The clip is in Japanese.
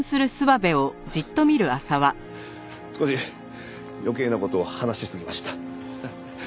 少し余計な事を話しすぎました。